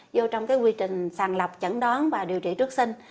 vô trong quy trình sàng lọc chẩn đoán và điều trị trước sinh